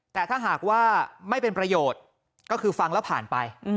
แต่ถ้าหากว่าไม่เป็นประโยชน์ก็คือฟังแล้วผ่านไป